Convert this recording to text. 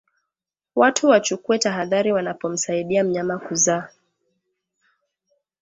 Watu wachukue tahadhari wanapomsaidia mnyama kuzaa